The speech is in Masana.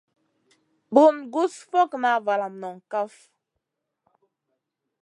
Bun gus fokŋa valam noŋ kaf.